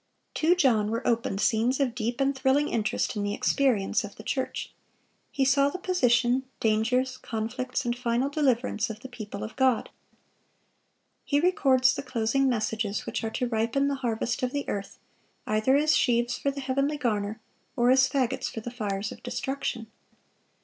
To John were opened scenes of deep and thrilling interest in the experience of the church. He saw the position, dangers, conflicts, and final deliverance of the people of God. He records the closing messages which are to ripen the harvest of the earth, either as sheaves for the heavenly garner or as fagots for the fires of destruction.